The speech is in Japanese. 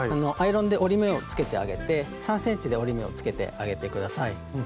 アイロンで折り目をつけてあげて３ｃｍで折り目をつけてあげて下さい。